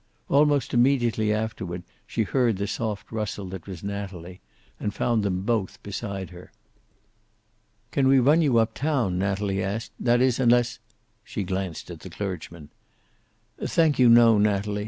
Almost immediately afterward she heard the soft rustle that was Natalie, and found them both beside her. "Can we run you up town?" Natalie asked. "That is, unless " She glanced at the clergyman. "Thank you, no, Natalie.